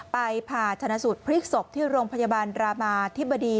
ผ่าชนะสูตรพลิกศพที่โรงพยาบาลรามาธิบดี